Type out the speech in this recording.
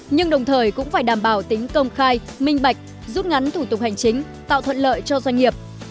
nhưng đồng thời cũng phải đảm bảo tính công khai minh bạch rút ngắn thủ tục hành chính tạo thuận lợi cho doanh nghiệp